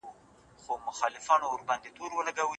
موږ ترتيب بيا نه زده کوو.